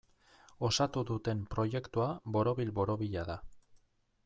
Osatu duten proiektua borobil-borobila da.